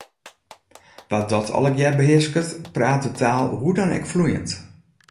Wa’t dat allegear behearsket, praat de taal hoe dan ek floeiend.